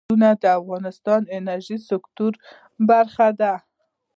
چنګلونه د افغانستان د انرژۍ سکتور برخه ده.